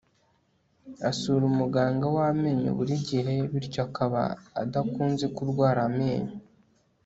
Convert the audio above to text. asura umuganga w'amenyo buri gihe, bityo akaba adakunze kurwara amenyo